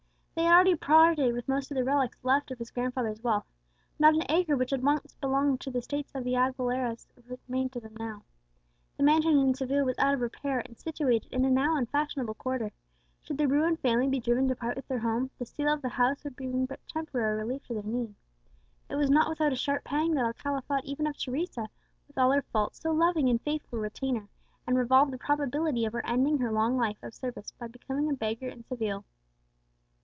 They had already parted with most of the relics left of his grandfather's wealth; not an acre which had once belonged to the estates of the Aguileras remained to them now. The mansion in Seville was out of repair, and situated in a now unfashionable quarter; should the ruined family be driven to part with their home, the sale of the house would bring but temporary relief to their need. It was not without a sharp pang that Alcala thought even of Teresa, with all her faults so loving and faithful a retainer, and revolved the probability of her ending her long life of service by becoming a beggar in Seville!